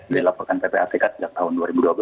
dilaporkan ppatk sejak tahun dua ribu dua belas